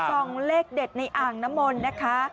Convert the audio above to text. ส่องเลขเด็ดในอ่างน้ำมนต์นะคะ